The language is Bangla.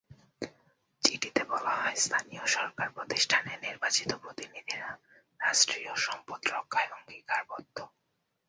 চিঠিতে বলা হয়, স্থানীয় সরকার প্রতিষ্ঠানের নির্বাচিত প্রতিনিধিরা রাষ্ট্রীয় সম্পদ রক্ষায় অঙ্গীকারবদ্ধ।